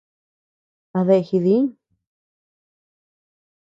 ¿A dea jidiñʼ.